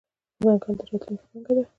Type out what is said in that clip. ځنګل د راتلونکې پانګه ده.